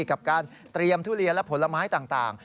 กับการเตรียมทุเรียนและผลไม้ต่าง